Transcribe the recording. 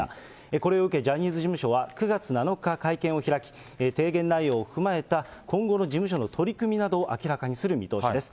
これを受けジャニーズ事務所は９月７日、会見を開き、提言内容を踏まえた今後の事務所の取り組みなどを明らかにする見通しです。